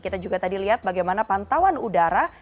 kita juga tadi lihat bagaimana pantauan udara